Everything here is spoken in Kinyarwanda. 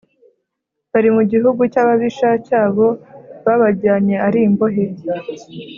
bari mu gihugu cy’ababisha babo babajyanye ari imbohe